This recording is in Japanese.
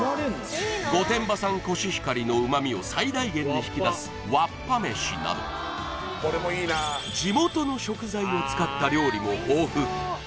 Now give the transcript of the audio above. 御殿場産コシヒカリの旨みを最大限に引き出すわっぱ飯など地元の食材を使った料理も豊富